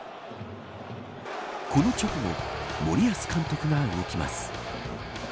この直後森保監督が動きます。